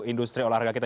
industri olahraga kita